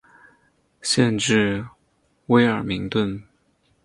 县治威尔明顿。